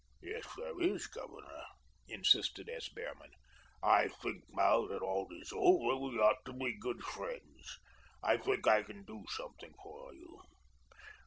"Yes, there is, Governor," insisted S. Behrman. "I think now that all is over we ought to be good friends. I think I can do something for you.